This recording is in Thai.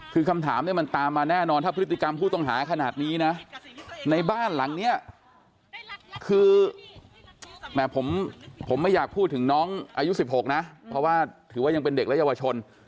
คือคำถามเนี่ยมันตามมาแน่นอนถ้าพฤติกรรมผู้ต้องหาขนาดนี้นะในบ้านหลังนี้คือแหมผมไม่อยากพูดถึงน้องอายุ๑๖นะเพราะว่าถือว่ายังเป็นเด็กและเยาวชน